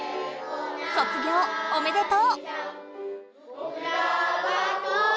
卒業おめでとう！